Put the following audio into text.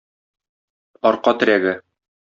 Арка терәге.